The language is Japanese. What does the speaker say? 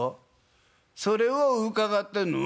それを伺ってんの」。